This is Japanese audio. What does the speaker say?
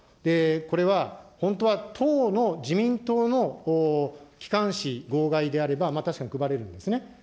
これは本当は党の、自民党の機関紙、号外であれば確かに配れるんですね。